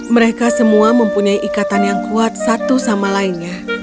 mereka semua mempunyai ikatan yang kuat satu sama lainnya